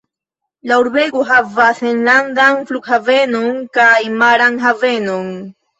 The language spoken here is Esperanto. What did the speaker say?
La urbego havas enlandan flughavenon kaj maran havenon.